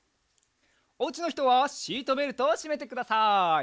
おうちのひとはシートベルトをしめてください。